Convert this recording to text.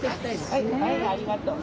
はいありがとう。